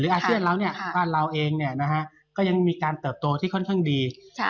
อาเซียนเราเนี่ยบ้านเราเองก็ยังมีการเติบโตที่ค่อนข้างดี